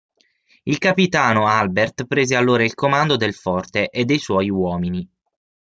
Il capitano Albert prese allora il comando del forte e dei suoi uomini.